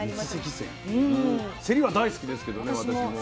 せりは大好きですけどね